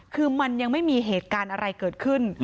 คือมันยังไม่มีเหตุการณ์อะไรเกิดขึ้น